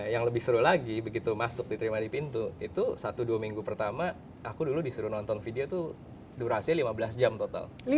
yang lebih seru lagi begitu masuk diterima di pintu itu satu dua minggu pertama aku dulu disuruh nonton video itu durasinya lima belas jam total